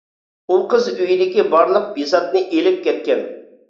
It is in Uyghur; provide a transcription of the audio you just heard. ئۇ قىز ئۆيدىكى بارلىق بىساتنى ئېلىپ كەتكەن.